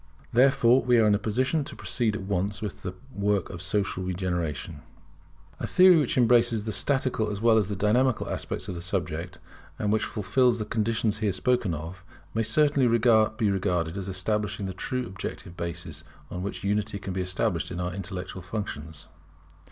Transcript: [Therefore we are in a position to proceed at once with the work of social regeneration] A theory which embraces the statical as well as the dynamical aspects of the subject, and which fulfils the conditions here spoken of, may certainly be regarded as establishing the true objective basis on which unity can be established in our intellectual functions.